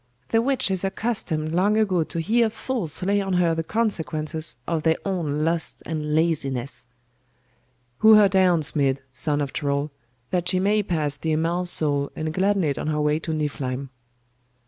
'The witch is accustomed long ago to hear fools lay on her the consequences of their own lust and laziness.' 'Hew her down, Smid, son of Troll, that she may pass the Amal's soul and gladden it on her way to Niflheim.